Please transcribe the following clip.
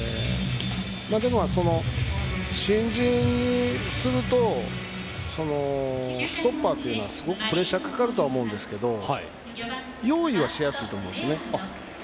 でも、新人にするとストッパーというのはすごくプレッシャーかかるとは思うんですけど用意はしやすいと思うんですよね。